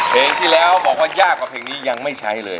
เพลงที่แล้วบอกว่ายากกว่าเพลงนี้ยังไม่ใช้เลย